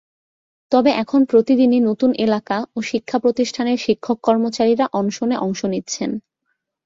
তবে এখন প্রতিদিনই নতুন এলাকা ও শিক্ষাপ্রতিষ্ঠানের শিক্ষক কর্মচারীরা অনশনে অংশ নিচ্ছেন।